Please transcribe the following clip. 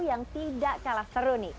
yang tidak kalah seru